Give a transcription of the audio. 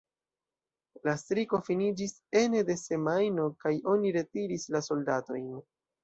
La striko finiĝis ene de semajno kaj oni retiris la soldatojn.